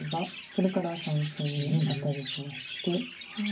それから３線にアタリしまして。